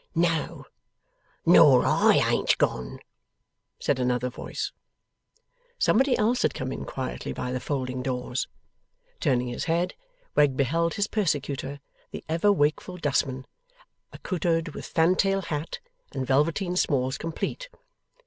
'No, nor I ain't gone,' said another voice. Somebody else had come in quietly by the folding doors. Turning his head, Wegg beheld his persecutor, the ever wakeful dustman, accoutred with fantail hat and velveteen smalls complete.